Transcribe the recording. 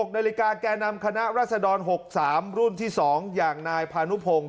๖นาฬิกาแก่นำคณะรัศดร๖๓รุ่นที่๒อย่างนายพานุพงศ์